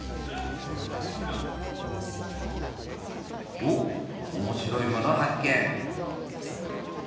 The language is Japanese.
おっ面白いもの発見！